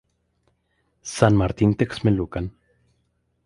San Martín Texmelucan